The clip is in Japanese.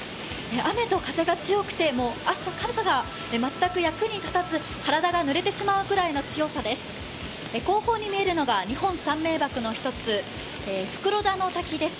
雨と風が強くて傘が全く役に立たず体がぬれてしまうくらいの強さです。